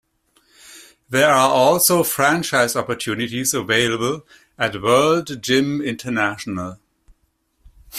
There are also franchise opportunities available at World Gym International.